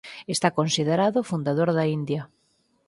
Está considerado o fundador da India.